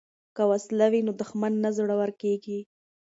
که وسله وي نو دښمن نه زړور کیږي.